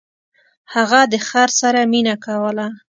هغه د خر سره مینه کوله.